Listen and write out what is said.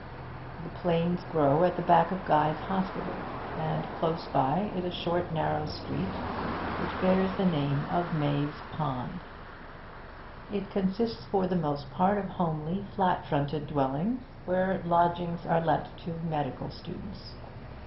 The planes grow at the back of Guy's Hospital, and close by is a short narrow street which bears the name of Maze Pond. It consists for the most part of homely, flat fronted dwellings, where lodgings are let to medical students.